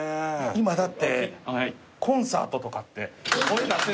今だってコンサートとかって声出せ。